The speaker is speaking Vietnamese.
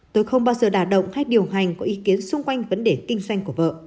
tôi không bao giờ đà động hay điều hành có ý kiến xung quanh vấn đề kinh doanh của vợ